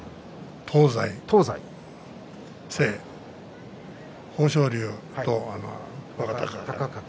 東西豊昇龍と若隆景。